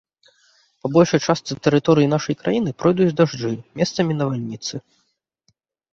Па большай частцы тэрыторыі нашай краіны пройдуць дажджы, месцамі навальніцы.